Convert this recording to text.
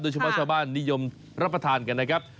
ชาวบ้านนิยมรับประทานกันนะครับ